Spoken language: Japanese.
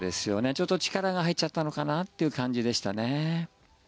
ちょっと力が入っちゃったのかなっていう感じでしたね。